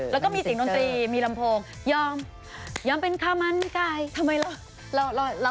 แล้วก็มีเสียงดนตรีมีลำโพงยอมยอมเป็นข้าวมันไก่ทำไมล่ะ